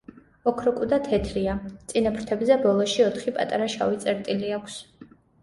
ოქროკუდა თეთრია, წინა ფრთებზე ბოლოში ოთხი პატარა შავი წერტილი აქვს.